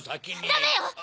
ダメよ！